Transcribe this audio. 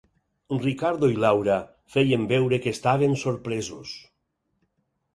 Ricardo i Laura feien veure que estaven sorpresos.